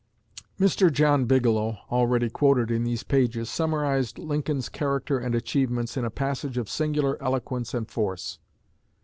Mr. John Bigelow, already quoted in these pages, summarized Lincoln's character and achievements in a passage of singular eloquence and force.